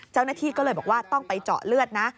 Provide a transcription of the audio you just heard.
เจ้าหน้าที่ก็เลยบอกว่าต้องไปเจาะเลือดนะ